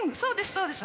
そうです。